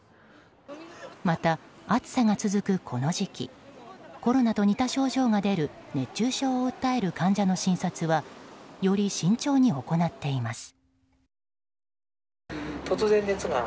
また、暑さが続くこの時期コロナと似た症状が出る熱中症を訴える患者の診察はより慎重に行っています。